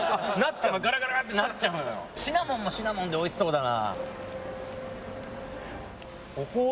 シナモンもシナモンでおいしそうだな。